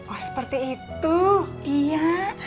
oh seperti itu iya